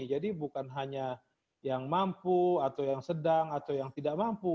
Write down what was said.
jadi bukan hanya yang mampu atau yang sedang atau yang tidak mampu